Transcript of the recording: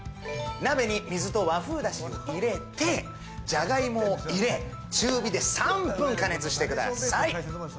鍋に水と和風だしを入れて、じゃがいもを入れ、中火で３分加熱してください。